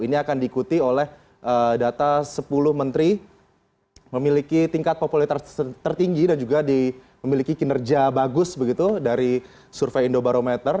ini akan diikuti oleh data sepuluh menteri memiliki tingkat popularitas tertinggi dan juga memiliki kinerja bagus begitu dari survei indobarometer